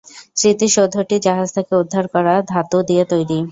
স্মৃতিসৌধটি জাহাজ থেকে উদ্ধার করা ধাতু দিয়ে তৈরি।